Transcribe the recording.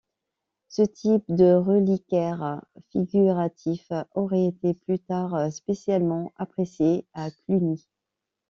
Ce type de reliquaire figuratif aurait été plus tard spécialement apprécié à Cluny.